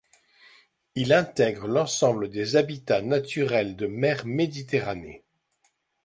Il intègre l'ensemble des habitats naturels de mer Méditerranée.